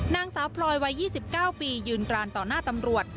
นางสาวพลอยวัย๒๙ปียืนกรานต่อหน้าตำรวจ